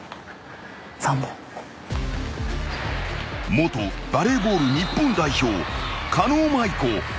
［元バレーボール日本代表狩野舞子］